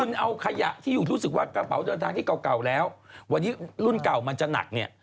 คุณเอาขยะที่อยู่รู้สึกว่ากระเป๋าเดินทางที่เก่าแล้ววันนี้รุ่นเก่ามันจะหนักเนี่ย